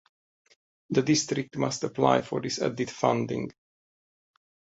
The District must apply for this added funding.